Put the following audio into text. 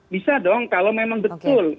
bisa dong kalau memang betul